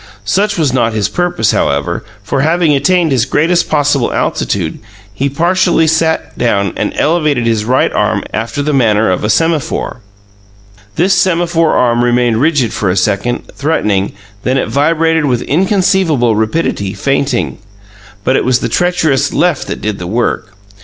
Such was not his purpose, however, for, having attained his greatest possible altitude, he partially sat down and elevated his right arm after the manner of a semaphore. This semaphore arm remained rigid for a second, threatening; then it vibrated with inconceivable rapidity, feinting. But it was the treacherous left that did the work.